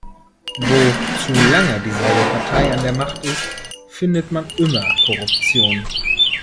Wo zu lange dieselbe Partei an der Macht ist, findet man immer Korruption.